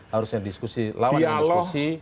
harusnya diskusi lawan dan diskusi